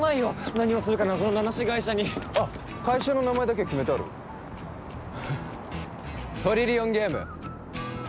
何をするか謎の名無し会社にあっ会社の名前だけは決めてあるトリリオンゲーム